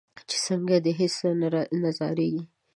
چې څنګه؟ د هیڅ نه رازیږې